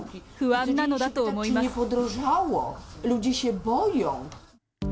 不安なのだと思います。